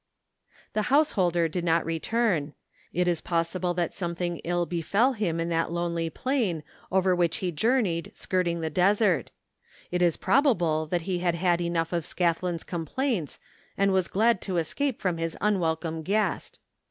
The hfouseholder did not return. It is possible that something ill befell him in that lonely plain over which he journeyed skirting the desert; it is probable that he had had enough of Scathlin's complaints and was glad to escape from his unwelcome guest.